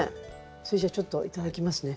それじゃあちょっといただきますね。